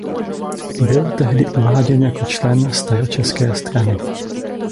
Byl tehdy uváděn jako člen staročeské strany.